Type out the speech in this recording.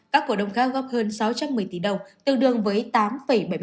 các cổ đông khác góp hơn sáu trăm một mươi tỷ đồng tương đương với tám bảy mươi bảy